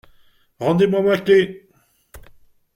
Rendez-moi ma clef !